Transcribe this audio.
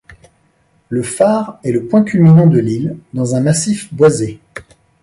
Le phare est le point culminant de l'île, dans un massif boisé..